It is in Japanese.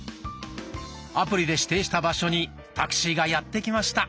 アプリで指定した場所にタクシーがやって来ました。